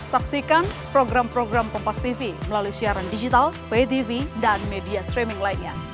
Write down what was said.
saksikan program program kompastv melalui siaran digital vtv dan media streaming lainnya